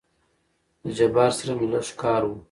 د جبار سره مې لېږ کار وو.